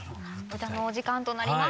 歌のお時間となります。